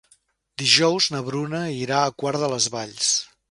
Dijous na Bruna irà a Quart de les Valls.